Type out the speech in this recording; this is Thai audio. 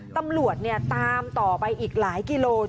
ตำรวจตามต่อไปอีกหลายกิโล